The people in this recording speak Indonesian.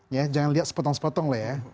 ya jangan lihat sepotong sepotong lah ya